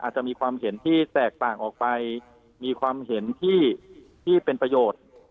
อาจจะมีความเห็นที่แตกต่างออกไปมีความเห็นที่เป็นประโยชน์